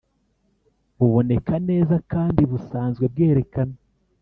Buboneka neza kandi busanzwe bwerekana